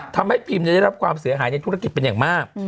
ทำให้พิมได้รับความเสียหายในธุรกิจเป็นอย่างมาก